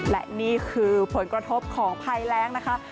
และนี่คือผลกระทบของภัยแรงนะคะ